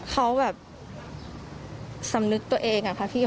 เขาแบบสำนึกตัวเองอะค่ะพี่